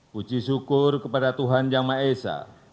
puji syukur kepada tuhan yang maha esa